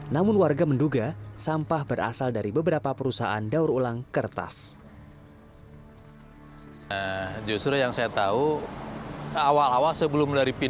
namun warga menduga sampah berasal dari beberapa perusahaan daur ulang kertas